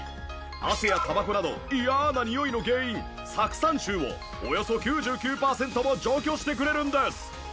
汗やタバコなど嫌なにおいの原因酢酸臭をおよそ９９パーセントも除去してくれるんです。